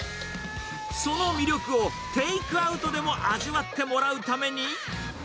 その魅力をテイクアウトでも味わってもらうために。